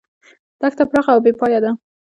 دښته پراخه او بې پایه ده.